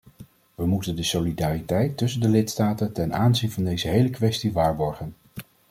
We moeten de solidariteit tussen de lidstaten ten aanzien van deze hele kwestie waarborgen.